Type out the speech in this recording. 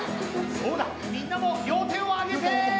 そうだみんなも両手を上げてまねして！